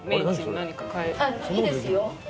いいですよ。